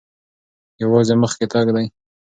یوازې مخکې تګ دی.